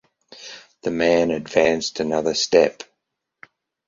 The man advanced another step.